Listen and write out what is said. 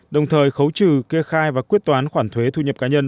đồng thời khấu trừ kê khai và quyết toán khoản thuế thu nhập cá nhân